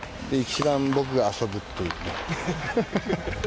で、一番僕が遊ぶっていうね。